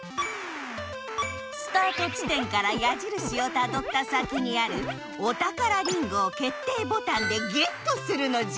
スタート地点からやじるしをたどった先にあるお宝りんごをけっていボタンでゲットするのじゃ！